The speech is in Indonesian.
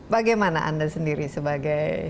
bagaimana anda sendiri sebagai